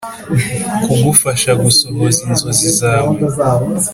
kugufasha gusohoza inzozi zawe.